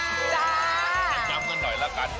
พรุ่งนี้๕สิงหาคมจะเป็นของใคร